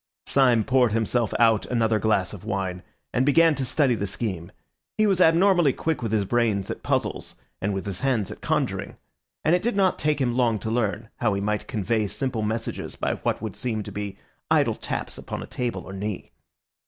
Syme poured himself out another glass of wine, and began to study the scheme. He was abnormally quick with his brains at puzzles, and with his hands at conjuring, and it did not take him long to learn how he might convey simple messages by what would seem to be idle taps upon a table or knee.